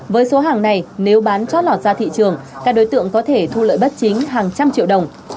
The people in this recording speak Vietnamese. với số hàng này nếu bán chót lọt ra thị trường các đối tượng có thể thu lợi bất chính hàng trăm triệu đồng